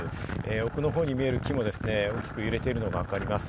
奥の方に見える木もですね、大きく揺れているのがわかります。